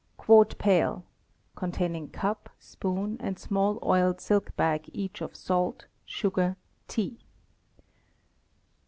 Quart pail (containing cup, spoon, and small oiled silk bag each of salt, sugar, tea).